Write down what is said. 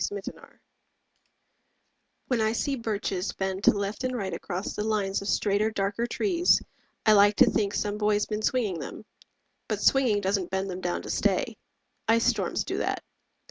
BIRCHES When I see birches bend to left and right Across the lines of straighter darker trees, I like to think some boy's been swinging them. But swinging doesn't bend them down to stay. Ice storms do that.